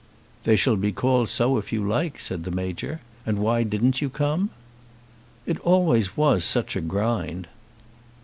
"They shall be called so if you like," said the Major. "And why didn't you come?" "It always was such a grind."